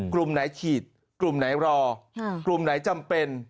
กลุ่มไหนฉีดกลุ่มไหนรอกลุ่มไหนจำเป็น